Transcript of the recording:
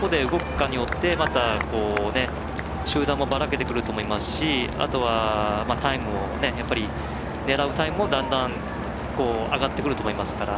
海外勢が、どこで動くかによって集団もバラけてくると思いますしあとは狙うタイムが、だんだん上がってくると思いますから。